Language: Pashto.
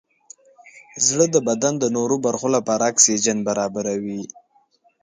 زړه د بدن د نورو برخو لپاره اکسیجن برابروي.